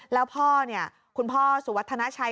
แล้วพ่อคุณพ่อสุวัสดิ์ธนาชัย